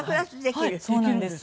そうなんです。